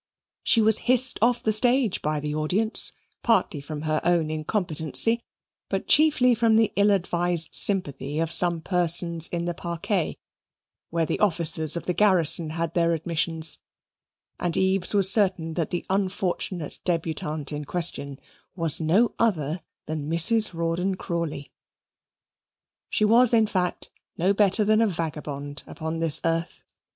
She was hissed off the stage by the audience, partly from her own incompetency, but chiefly from the ill advised sympathy of some persons in the parquet, (where the officers of the garrison had their admissions); and Eaves was certain that the unfortunate debutante in question was no other than Mrs. Rawdon Crawley. She was, in fact, no better than a vagabond upon this earth.